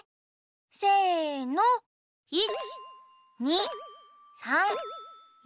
せの１２３４。